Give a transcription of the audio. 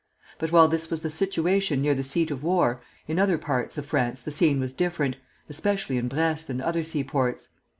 But while this was the situation near the seat of war, in other parts of France the scene was different, especially in Brest and other seaports.